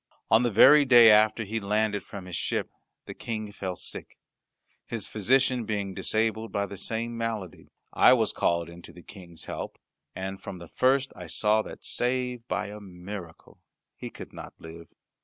On the very day after he landed from his ship the King fell sick. His physician being disabled by the same malady, I was called in to the King's help; and from the first I saw that, save by a miracle, he could not live.